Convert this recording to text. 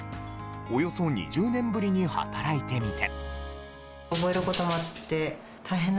およそ２０年ぶりに働いてみて。